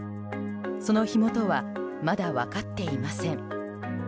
その火元はまだ分かっていません。